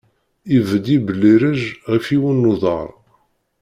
Ibedd yibellireǧ ɣef yiwen n uḍar.